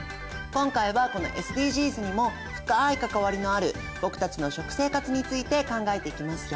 今回はこのＳＤＧｓにも深い関わりのある僕たちの食生活について考えていきますよ。